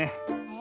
え